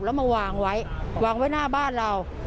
แล้วมาวางไว้วางไว้หน้าบ้านเรา